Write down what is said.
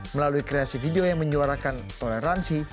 melalui kreasi video yang menyuarakan toleransi